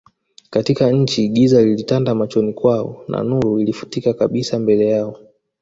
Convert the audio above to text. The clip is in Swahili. katika nchi Giza lilitanda machoni kwao na nuru ilifutika kabisa mbele yao